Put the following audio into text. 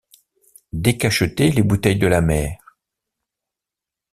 Décacheter les bouteilles de la mer.